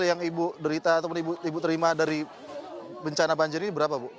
material yang ibu terima dari bencana banjir ini berapa ibu